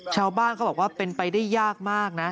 ชาวบ้านเขาบอกว่าเป็นไปได้ยากมากนะ